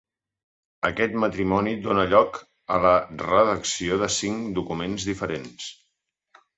Aquest matrimoni dóna lloc a la redacció de cinc documents diferents.